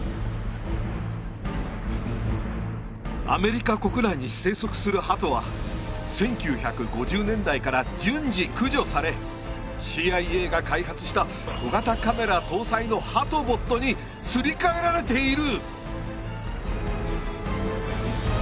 「アメリカ国内に生息するハトは１９５０年代から順次駆除されＣＩＡが開発した小型カメラ搭載のハトボットにすり替えられている！」。